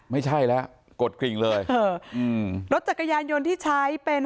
ไม่ใช่แล้วกดกริ่งเลยเอออืมรถจักรยานยนต์ที่ใช้เป็น